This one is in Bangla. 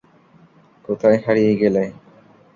কোথায় হারিয়ে গেলে?